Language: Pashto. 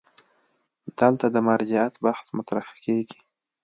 دلته د مرجعیت بحث مطرح کېږي.